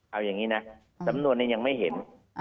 เอาอย่างนี้นะสำนวนนี้ยังไม่เห็น